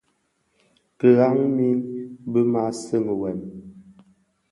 Kidhaň min bi maa seňi wêm,